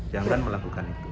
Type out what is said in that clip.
jangan melakukan itu